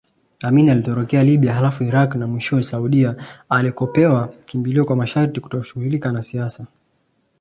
Amin alitorokea Libya halafu Irak na mwishowe Saudia alikopewa kimbilio kwa masharti kutoshughulikia siasa